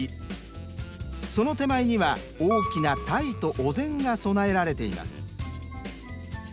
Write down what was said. その手前には大きな鯛とお膳が供えられています。